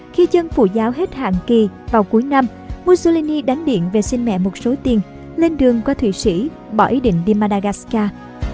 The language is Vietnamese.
khi chân phụ giáo hết hạn kỳ vào cuối năm mussolini đánh điện về sinh mẹ một số tiền lên đường qua thụy sĩ bỏ ý định đi madagascar